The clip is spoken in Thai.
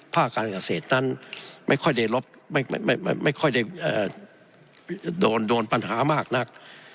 ภาคการเกษตรนั้นไม่ค่อยได้ไม่ค่อยได้โดนปัญหามากนัก